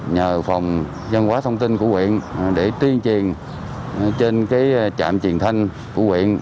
nhờ phòng văn hóa thông tin của quyện để tuyên truyền trên trạm truyền thanh của quyện